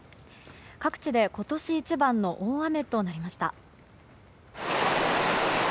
各地で今年一番の大雨となりました。